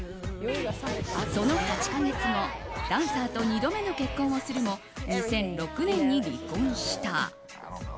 その８か月後ダンサーと２度目の結婚をするも２００６年に離婚した。